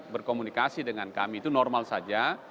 berkomunikasi dengan kami itu normal saja